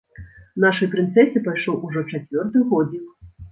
Нашай прынцэсе пайшоў ужо чацвёрты годзік.